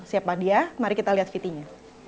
siap lah dia mari kita lihat video nya